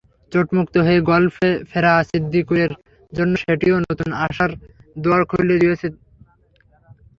চোটমুক্ত হয়ে গলফে ফেরা সিদ্দিকুরের জন্য সেটিও নতুন আশার দুয়ার খুলে দিয়েছে।